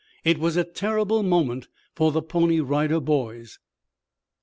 It was a terrible moment for the Pony Rider Boys.